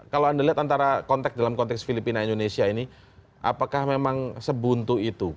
kalau anda lihat antara konteks dalam konteks filipina indonesia ini apakah memang sebuntu itu